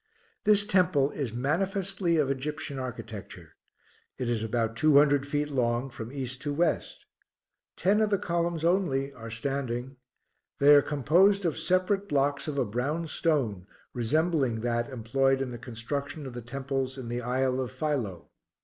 This temple is manifestly of Egyptian architecture; it is about two hundred feet long from east to west; ten of the columns only are standing; they are composed of separate blocks of a brown stone resembling that employed in the construction of the temples in the isle of Philoe.